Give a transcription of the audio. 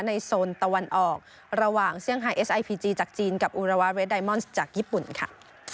ในโซนตะวันออกระหว่างจากจีนกับจากญี่ปุ่นค่ะ